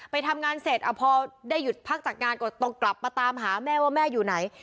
ไปทำงานเสร็จพอได้หยุดพักจากงานก็ต้องกลับมาตามหาแม่ว่าแม่อยู่ไหน